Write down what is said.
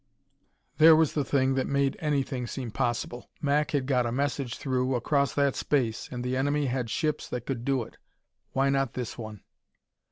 There was the thing that made anything seem possible. Mac had got a message through, across that space, and the enemy had ships that could do it. Why not this one?